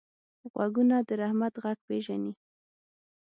غوږونه د رحمت غږ پېژني